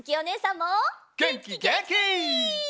げんきげんき！